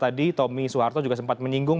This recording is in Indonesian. tadi tommy soeharto juga sempat menyinggung